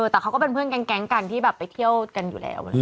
แต่เขาก็เป็นเพื่อนแก๊งกันที่แบบไปเที่ยวกันอยู่แล้ว